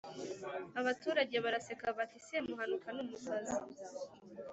“Abaturage baraseka, bati:” Semuhanuka ni umusazi